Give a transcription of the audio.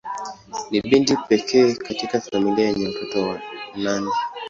Ni binti pekee katika familia yenye watoto nane.